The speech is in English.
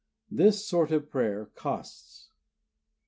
This sort of prayer costs.